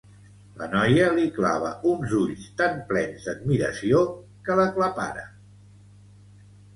La noia li clava uns ulls tan plens d'admiració que l'aclapara.